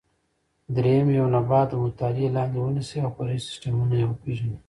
درېیم: یو نبات د مطالعې لاندې ونیسئ او فرعي سیسټمونه یې وپېژنئ.